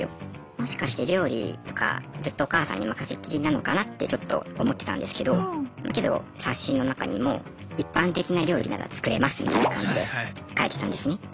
もしかして料理とかずっとお母さんに任せっきりなのかなってちょっと思ってたんですけどけど冊子の中にも一般的な料理なら作れますみたいな感じで書いてたんですね。